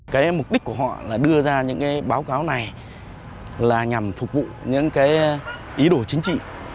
cái mục đích của họ là đưa ra những cái báo cáo này là nhằm phục vụ những cái ý đồ chính trị